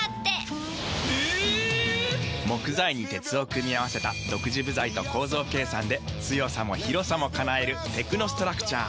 木材に鉄を組み合わせた独自部材と構造計算で強さも広さも叶えるテクノストラクチャー。